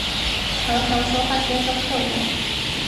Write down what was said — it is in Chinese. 常常说话尖酸刻薄